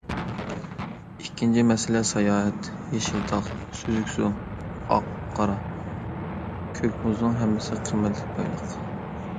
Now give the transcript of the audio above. ئىككىنچى مەسىلە ساياھەت، يېشىل تاغ، سۈزۈك سۇ، ئاق قار، كۆك مۇزنىڭ ھەممىسى قىممەتلىك بايلىق.